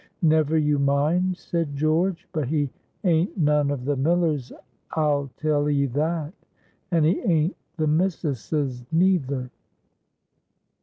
"Never you mind," said George. "But he ain't none of the miller's, I'll tell 'ee that; and he ain't the missus's neither."